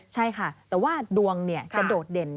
ใช่ค่ะแต่ว่าดวงจะโดดเด่น